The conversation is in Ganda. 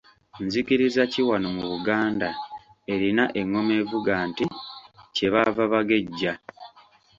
Nzikiriza ki wano mu Buganda erina engoma evuga nti “Kye bava bagejja”?